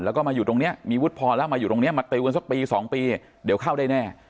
แล้วก็มาอยู่ตรงนี้มีวุฒิพอแล้วมาอยู่ตรงนี้มาตีกันสักปี๒ปีเดี๋ยวเข้าได้แน่